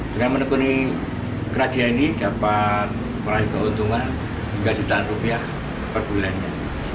dengan menekuni kerajinan ini dapat meraih keuntungan hingga jutaan rupiah per bulannya